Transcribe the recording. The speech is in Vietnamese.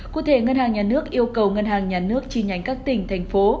cụ thể ngân hàng nhà nước yêu cầu ngân hàng nhà nước chi nhánh các tỉnh thành phố